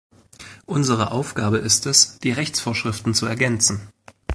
Unsere Aufgabe ist es, die Rechtsvorschriften zu ergänzen.